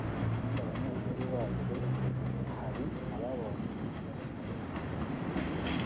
kandi abanyeshuri bacu hari ababonye distinction